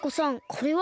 これは？